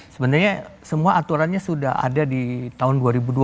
sebenarnya semua aturannya sudah ada di tahun dua ribu dua puluh